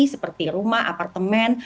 seperti rumah apartemen